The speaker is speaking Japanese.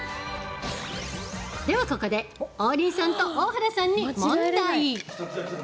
では、ここで王林さんと大原さんに問題。